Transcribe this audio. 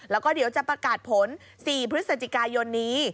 แล้วก็เดี๋ยวจะประกาศผล๔พฤศจิกายนนี้